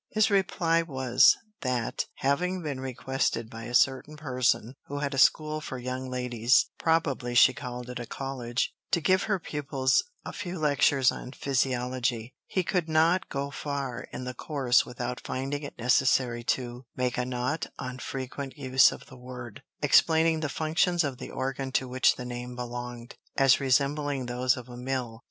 His reply was, that, having been requested by a certain person who had a school for young ladies probably she called it a college to give her pupils a few lectures on physiology, he could not go far in the course without finding it necessary to make a not unfrequent use of the word, explaining the functions of the organ to which the name belonged, as resembling those of a mill.